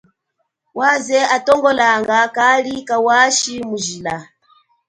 Waze atongolanga kali kawashi mujila.